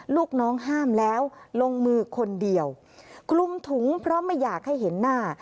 ลูกน้องห้ามแล้วลงมือคนเดียวคลุมถุงเพราะไม่อยากให้เห็นหน้า